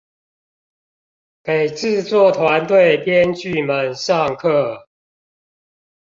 給製作團隊編劇們上課